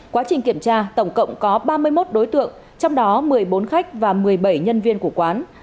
quá trình kiểm tra tổng cộng có ba mươi một đối tượng trong đó một mươi bốn khách và một mươi bảy nhân viên của quán